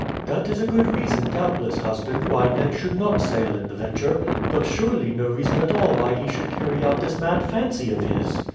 "That is a good reason, doubtless, husband, why Ned should not sail in the Venture, but surely no reason at all why he should carry out this mad fancy of his."